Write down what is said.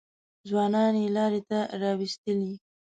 ځوانان یې لارې ته راوستلي.